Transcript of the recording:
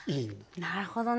なるほどね。